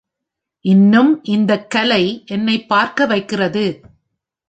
இன்னும் இந்த கலை என்னைப் பார்க்க வைக்கிறது.